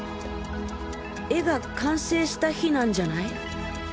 絵が完成した日なんじゃない？